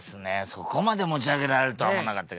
そこまで持ち上げられるとは思わなかったけど。